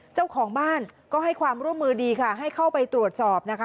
เจ้าของบ้านก็ให้ความร่วมมือดีค่ะให้เข้าไปตรวจสอบนะคะ